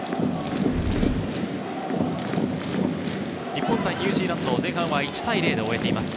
日本対ニュージーランド、前半は１対０で終えています。